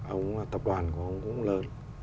ông tập đoàn của ông cũng lớn